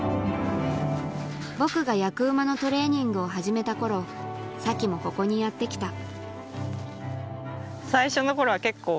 僕が役馬のトレーニングを始めた頃沙紀もここにやって来たまだ。